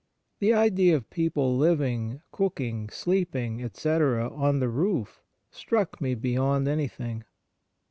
The idea of people living, cook ing, sleeping, etc., on the roof struck me beyond anything.'